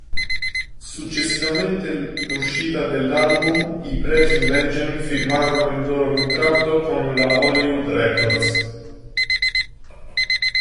Successivamente l'uscita dell'album, i Breaking Benjamin firmarono il loro contratto con la Hollywood Records.